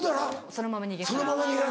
そのまま逃げて。